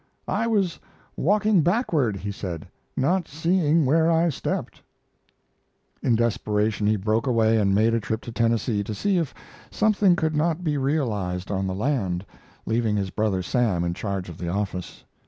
"I was walking backward," he said, "not seeing where I stepped." In desperation he broke away and made a trip to Tennessee to see if something could not be realized on the land, leaving his brother Sam in charge of the office.